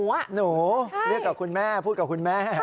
หนูเรียกกับคุณแม่พูดกับคุณแม่